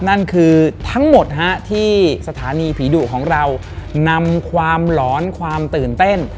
นั่นคือทั้งหมดที่สถานีผีดุของเรานำความหลอนความตื่นเต้น